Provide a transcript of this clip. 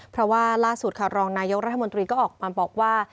เพราะว่าล่าสุดค่ะรองนายกรัฐมนตรีก็ออกมาบอกว่า